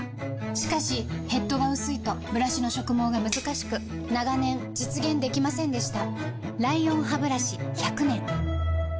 しかしヘッドが薄いとブラシの植毛がむずかしく長年実現できませんでした